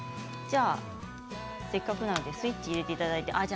せっかくなのでスイッチを入れていただいて。